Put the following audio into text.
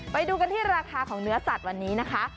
ไปดูกันที่ราคาของเนื้อสัตว์วันนี้นะคะ